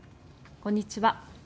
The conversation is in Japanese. こんにちは。